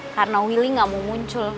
karena willy nggak mau muncul